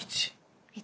１。